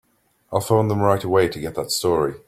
I'll phone them right away to get that story.